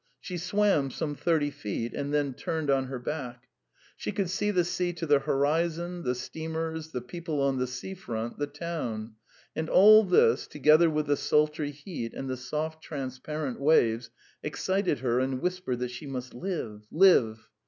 She swam some thirty feet and then turned on her back. She could see the sea to the horizon, the steamers, the people on the sea front, the town; and all this, together with the sultry heat and the soft, transparent waves, excited her and whispered that she must live, live.